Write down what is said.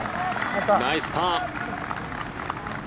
ナイスパー。